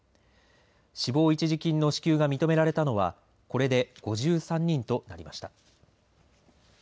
死亡一時金の支給が認められたのはこれで５３人となりました。